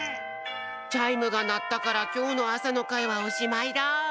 チャイムがなったからきょうのあさのかいはおしまいだ！